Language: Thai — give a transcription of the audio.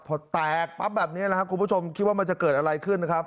พอแตกปั๊บแบบนี้นะครับคุณผู้ชมคิดว่ามันจะเกิดอะไรขึ้นนะครับ